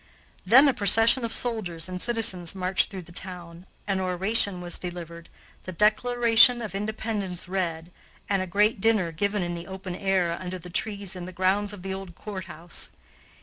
Then a procession of soldiers and citizens marched through the town, an oration was delivered, the Declaration of Independence read, and a great dinner given in the open air under the trees in the grounds of the old courthouse.